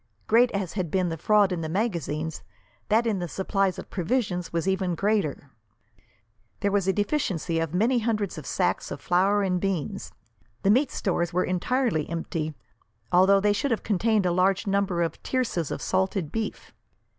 Great as had been the fraud in the magazines, that in the supplies of provisions was even greater. There was a deficiency of many hundreds of sacks of flour and beans. The meat stores were entirely empty, although they should have contained a large number of tierces of salted beef.